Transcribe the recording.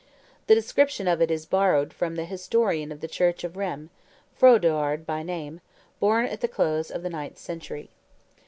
The description of it is borrowed from the historian of the church of Rheims, Frodoard by name, born at the close of the ninth century.